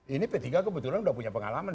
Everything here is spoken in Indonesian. ini p tiga kebetulan sudah punya pengalaman